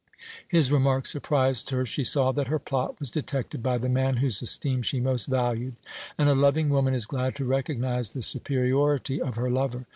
His remark surprised her. She saw that her plot was detected by the man whose esteem she most valued, and a loving woman is glad to recognize the superiority of her lover.